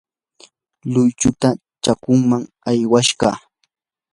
luychuta chakuqmi aywashqa.